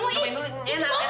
engga mau enggak mau